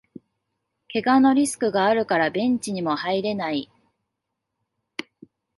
けがのリスクがあるからベンチにも入れない